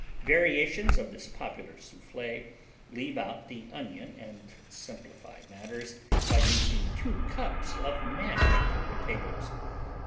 Variations of this popular Soufflé leave out the onion and simplify matters by using 2 cups of mashed potatoes.